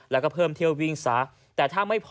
แล้วก็เพิ่มเที่ยววิ่งซะ